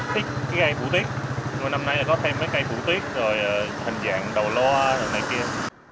thích cái cây phủ tiết nhưng mà năm nay là có thêm mấy cây phủ tiết rồi hình dạng đầu loa rồi này kia